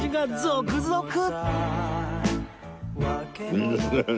いいですね。